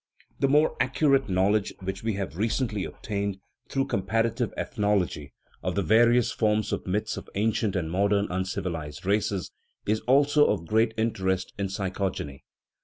The more accurate knowledge which we have recent J 34 THE EMBRYOLOGY OF THE SOUL ly obtained, through comparative ethnology, of the va rious forms of myths of ancient and modern uncivilized races, is also of great interest in psychogeny.